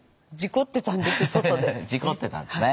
事故ってたんですね